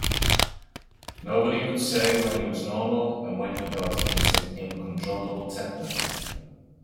Nobody could say when he was normal and when he got into uncontrollable temper.